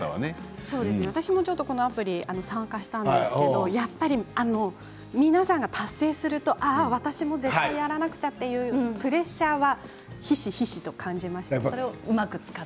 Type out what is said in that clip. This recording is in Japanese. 私もこのアプリ参加したんですけれどもやっぱり皆さんが達成すると私も絶対にやらなくちゃというプレッシャーはひしひしと感じました。